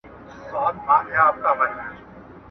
• له عالمه سره غم، نه غم.